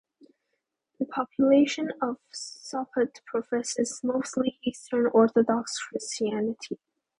The population of Sopot professes mostly Eastern Orthodox Christianity.